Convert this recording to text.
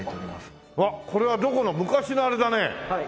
うわっこれはどこの昔のあれだね。